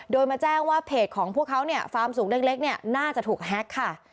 โดยมาแจ้งว่าเพจของพวกเขาเนี่ยฟาร์มสูงเล็กเนี่ยน่าจะถูกแฮ็กค่ะ